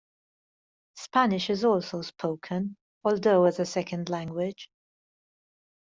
Spanish is also spoken, although as a second language.